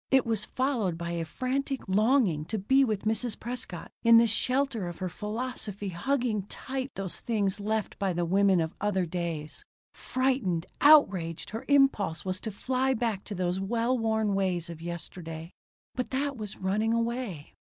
It was followed by a frantic longing to be with Mrs. Prescott in the shelter of her philosophy, hugging tight those things left by the women of other days. Frightened, outraged, her impulse was to fly back to those well worn ways of yesterday. But that was running away.